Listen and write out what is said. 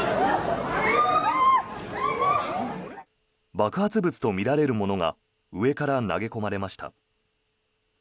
爆発物とみられるものが上から投げ込まれました。